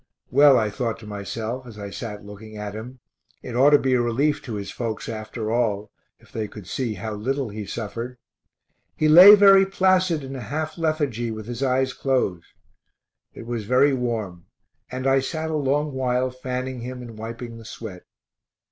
Well, I thought to myself as I sat looking at him, it ought to be a relief to his folks after all, if they could see how little he suffered. He lay very placid in a half lethargy with his eyes closed. It was very warm, and I sat a long while fanning him and wiping the sweat.